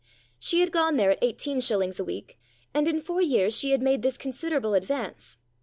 She had gone there at eighteen shillings a week, and in four years she had made this considerable advance.